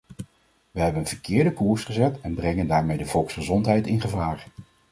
We hebben een verkeerde koers gezet en brengen daarmee de volksgezondheid in gevaar.